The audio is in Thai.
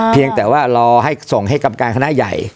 เพียงแต่ว่ารอให้ส่งให้กรรมการคณะใหญ่